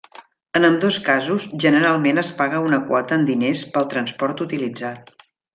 En ambdós casos, generalment es paga una quota en diners pel transport utilitzat.